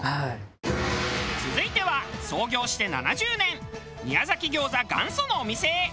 続いては創業して７０年宮崎餃子元祖のお店へ。